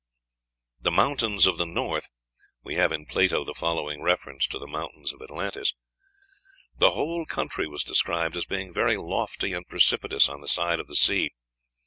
The Mountains of the North. We have in Plato the following reference to the mountains of Atlantis: "The whole country was described as being very lofty and precipitous on the side of the sea....